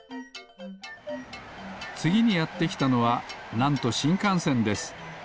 つぎにやってきたのはなんとしんかんせんです。